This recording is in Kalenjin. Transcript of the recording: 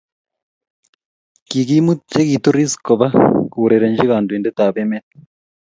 kikimut che kituris kobak kourerenchi kantointer ab emet